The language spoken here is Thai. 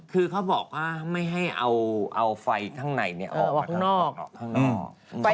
คือเขาบอกว่าไม่ให้เอาไฟข้างในเนี่ยออกไป